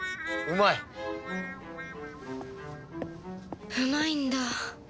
うまいんだ